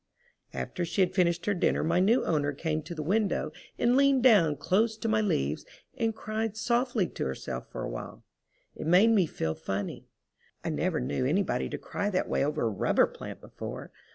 After she had finished her dinner my new owner came to the window and leaned down close to my leaves and cried softly to herself for a while. It made me feel funny. I never knew anybody to cry that way over a rubber plant before.